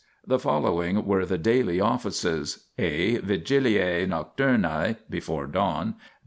The following were the Daily Offices : (a) Vigilide nocturnae before dawn.